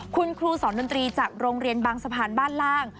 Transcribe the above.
คุณครูสอนดนตรีจากโรงเรียนบางสะพานบ้านล่าง